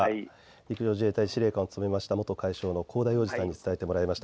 陸上自衛隊司令官を務めました元海将の香田洋二さんに伝えてもらいました。